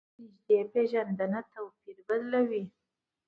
نږدې پېژندنه توپیر بدلوي.